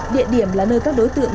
địa điểm là nơi các đối tượng